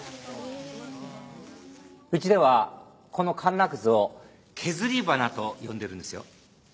うちではこのかんなくずを削り華と呼んでるんですよ。